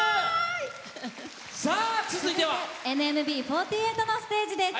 続いてはＮＭＢ４８のステージです。